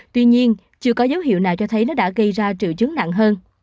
tuy nhiên chưa có dấu hiệu nào cho thấy nó đã gây ra triệu chứng nặng hơn